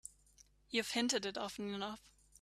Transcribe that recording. You've hinted it often enough.